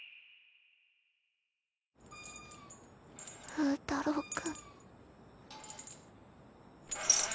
風太郎君